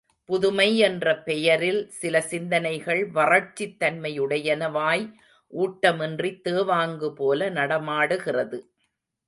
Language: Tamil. புதுமை என்ற பெயரில் சிலசிந்தனைகள் வறட்சித்தன்மையுடையனவாய் ஊட்டமின்றித் தேவாங்கு போல நடமாடுகிறது.